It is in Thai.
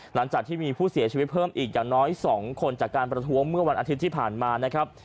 หลังจากที่มีผู้เสียชีวิตเพิ่มอีกอย่างน้อย๒คนจากการประท้วงเมื่อวันอาทิตย์ที่ผ่านมานะครับ